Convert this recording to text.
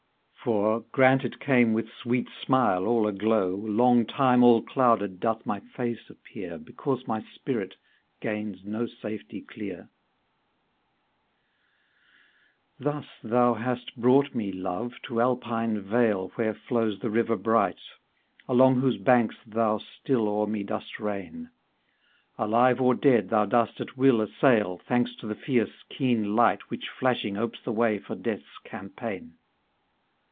For, grant it came with sweet smile all aglow. Long time all clouded doth my face appear, Because my spirit gains no safety clear. ^ 84 CANZONIERE Thus thou hast brought me, Love, to Alpine vale. Where flows the river bright, Along whose banks thou still o'er me dost reign. Alive or dead thou dost at will assail, Thanks to the fierce keen light, *" Which flashing opes the way for Death's campaign.